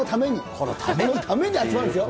これのために集まるんですよ。